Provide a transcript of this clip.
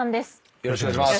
よろしくお願いします。